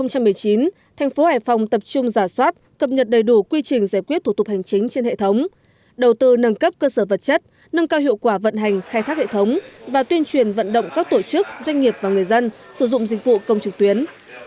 năm hai nghìn một mươi chín thành phố hải phòng tập trung giả soát cập nhật đầy đủ quy trình giải quyết thủ tục hành chính trên hệ thống đầu tư nâng cấp cơ sở vật chất nâng cao hiệu quả vận hành khai thác hệ thống và tuyên truyền vận động các tổ chức doanh nghiệp và người dân sử dụng dịch vụ công trực tuyến